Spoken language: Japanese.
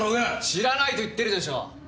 知らないと言ってるでしょう！